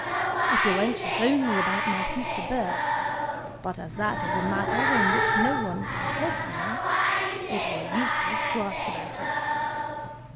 I feel anxious only about my future birth; but as that is a matter in which no one can help me, it were useless to ask about it.